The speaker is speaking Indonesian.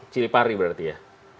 ciri pari berarti ya